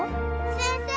先生！